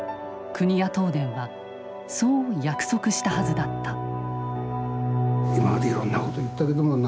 国や東電はそう約束したはずだった。